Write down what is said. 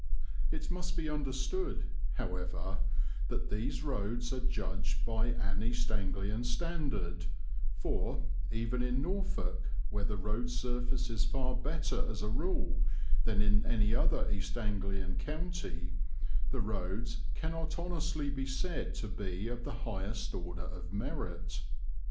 It must be understood, however, that these roads are judged by an East Anglian standard, for, even in Norfolk, where the road surface is far better as a rule than in any other East Anglian county, the roads cannot honestly be said to be of the highest order of merit.